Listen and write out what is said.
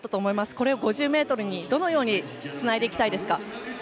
これを５０ｍにどのようにつないでいきたいですか。